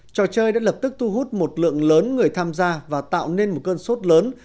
trò chơi đã lập tức thu hút một lượng lớn người tham gia và tạo nên một cơn sốt lớn